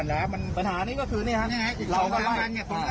ปัญหานี้ก็คือนี่ครับอีก๒๓วันตรงนั้นก็ครูเข้ามาแล้วนะครับ